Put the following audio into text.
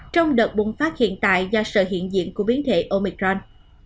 trong đợt bùng phát hiện tại do sự hiện diện của biến thể omicron